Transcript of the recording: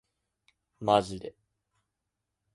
マジで